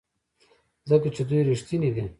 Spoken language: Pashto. ځکه چې دوی ریښتیني دي.